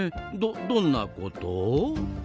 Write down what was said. どんなこと？